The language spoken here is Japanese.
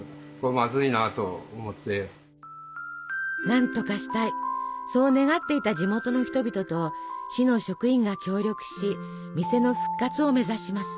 何とかしたいそう願っていた地元の人々と市の職員が協力し店の復活を目指します。